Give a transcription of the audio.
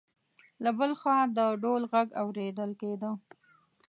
له بل خوا د ډول غږ اوریدل کېده.